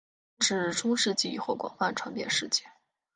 至中世纪以后广泛传遍世界。